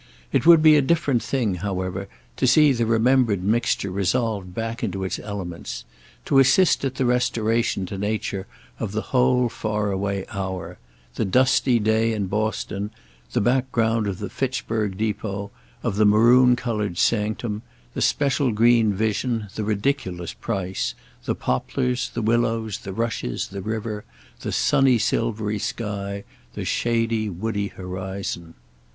It would be a different thing, however, to see the remembered mixture resolved back into its elements—to assist at the restoration to nature of the whole far away hour: the dusty day in Boston, the background of the Fitchburg Depot, of the maroon coloured sanctum, the special green vision, the ridiculous price, the poplars, the willows, the rushes, the river, the sunny silvery sky, the shady woody horizon.